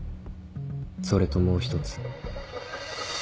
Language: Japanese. それともう一つ。